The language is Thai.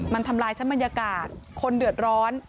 มันทำลายชั้นบรรยากาศคนเดือดร้อน